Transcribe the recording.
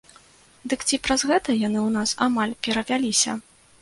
Дык ці праз гэта яны ў нас амаль перавяліся?